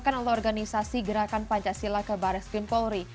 dilaporkan oleh organisasi gerakan pancasila ke baris krimpori